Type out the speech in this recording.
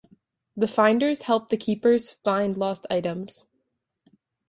The Finders help the Keypers find lost items.